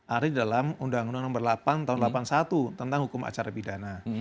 ada di dalam undang undang nomor delapan tahun seribu sembilan ratus delapan puluh satu tentang hukum acara pidana